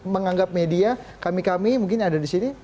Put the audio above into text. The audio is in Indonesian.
menganggap media kami kami mungkin ada di sini